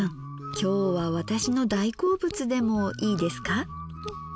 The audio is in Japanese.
今日は私の大好物でもいいですか。